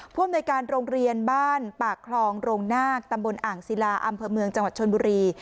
อำนวยการโรงเรียนบ้านปากคลองโรงนาคตำบลอ่างศิลาอำเภอเมืองจังหวัดชนบุรี